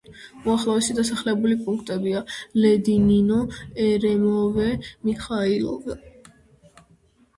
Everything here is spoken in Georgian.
უახლოესი დასახლებული პუნქტებია: ლედინინო, ერემეევო, მიხაილოვო.